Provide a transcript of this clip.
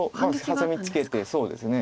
ハサミツケてそうですね。